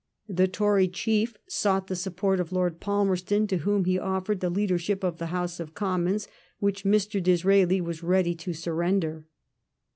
The Tory chief sought the support of Lord Palmerston, to whom he offered the leadership of the House of Commons, which Mr. Dia raeli was ready to surrender.